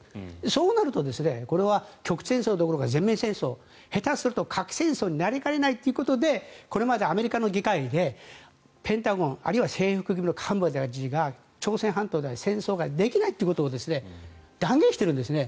そうなるとこれは下手すると核戦争になりかねないということでこれまでアメリカの議会でペンタゴンあるいは制服組の幹部たちが朝鮮半島で戦争ができないということを断言しているんですね。